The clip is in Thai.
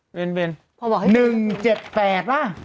เบนพอบอกให้พูดนะครับเบน๑๗๘ป่ะ